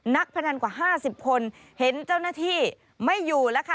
พนันกว่า๕๐คนเห็นเจ้าหน้าที่ไม่อยู่แล้วค่ะ